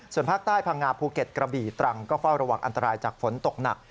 ส่วนภาคใต้พังงาภูเก็ตกระบี่ตรังก็เฝ้าระวังอันตรายจากฝนตกหนัก